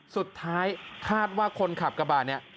สุดท้ายคาดว่าคนขับกระบาดเนี่ย